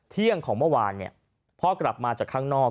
เที่ยงของเมื่อวานพ่อกลับมาจากข้างนอก